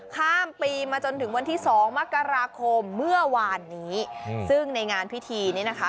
ข้ามปีมาจนถึงวันที่สองมกราคมเมื่อวานนี้ซึ่งในงานพิธีนี้นะคะ